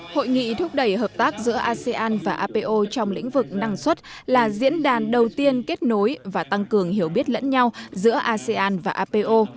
hội nghị thúc đẩy hợp tác giữa asean và apo trong lĩnh vực năng suất là diễn đàn đầu tiên kết nối và tăng cường hiểu biết lẫn nhau giữa asean và apo